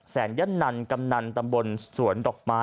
แสนยันนันกำนันตำบลสวนดอกไม้